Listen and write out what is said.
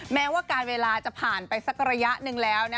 แม้ว่าการเวลาจะผ่านไปสักระยะหนึ่งแล้ว